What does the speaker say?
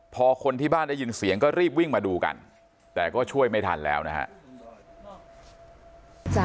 พอคนที่บ้านได้ยินเสียงก็รีบวิ่งมาดูกันแต่ก็ช่วยไม่ทันแล้วนะฮะ